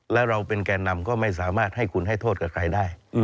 แล้วเราเป็นแก่นำก็ไม่สามารถให้คุณให้โทษกับใครได้